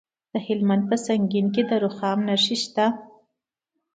د هلمند په سنګین کې د رخام نښې شته.